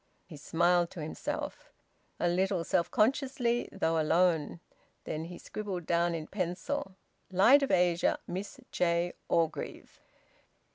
He smiled to himself a little self consciously, though alone. Then he scribbled down in pencil "Light of Asia. Miss J. Orgreave."